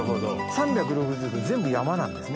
３６０度全部山なんですね。